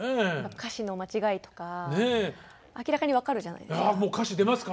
歌詞の間違いとか明らかに分かるじゃないですか。